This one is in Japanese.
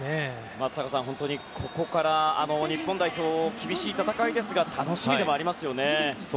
松坂さん、本当にここから日本代表は厳しい戦いですが楽しみでもありますよね。